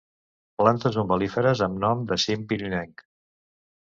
Plantes umbel·líferes amb nom de cim pirinenc.